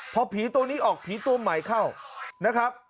พอผีตัวนี้ออกผีตัวใหม่เข้านะครับ